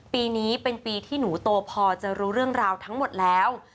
ปีนี้เป็นปีที่หนูโตพอจะรู้เรื่องราวทั้งหมดแล้ว